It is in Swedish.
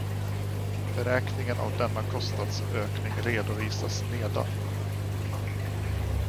Beräkningen av denna kostnadsökning redovisas nedan.